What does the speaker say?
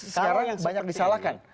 sekarang banyak disalahkan